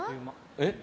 えっ？